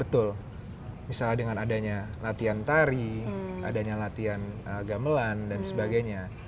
betul misalnya dengan adanya latihan tari adanya latihan gamelan dan sebagainya